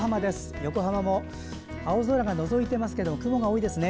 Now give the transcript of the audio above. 横浜も青空がのぞいていますが雲が多いですね。